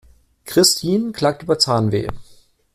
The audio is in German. Christin klagt über Zahnweh.